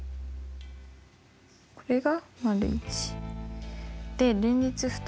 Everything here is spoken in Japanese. これが①。